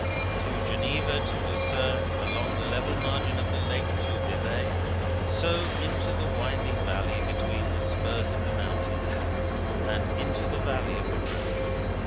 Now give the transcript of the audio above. To Geneva, to Lausanne, along the level margin of the lake to Vevay, so into the winding valley between the spurs of the mountains, and into the valley of the Rhone.